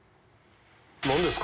何ですか？